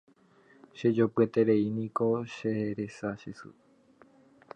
Chejopietereíniko che resa che sy